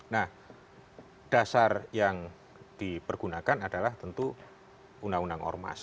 nah dasar yang dipergunakan adalah tentu undang undang ormas